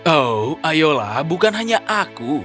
oh ayolah bukan hanya aku